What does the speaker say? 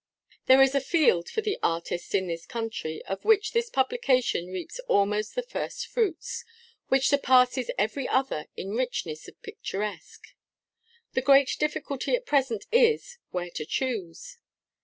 There is a field for the artist in this country (of which this publication reaps almost the first fruits) which surpasses every other in richness of picturesque. The great difficulty at present is, where to choose.